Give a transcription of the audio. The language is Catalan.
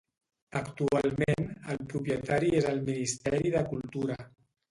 Actualment el propietari és el Ministeri de Cultura.